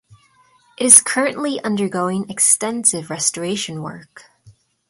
It is currently undergoing extensive restoration work.